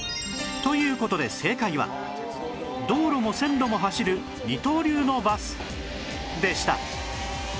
という事で正解は道路も線路も走る二刀流のバスでした